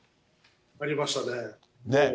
ありましたね。